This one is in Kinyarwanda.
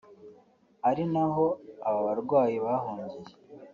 ari naho aba barwanyi bahungiye